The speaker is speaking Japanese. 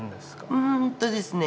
うんとですね